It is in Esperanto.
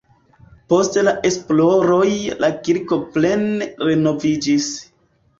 Post la esploroj la kirko plene renoviĝis.